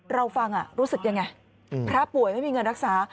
เราฟังรู้สึกยังไงพระป่วยไม่มีเงินรักษา